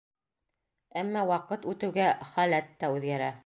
Әммә ваҡыт үтеүгә, халәт тә үҙгәрә.